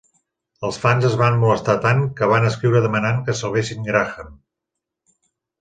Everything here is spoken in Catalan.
Els fans es van molestar tant, que van escriure demanant que salvessin Graham.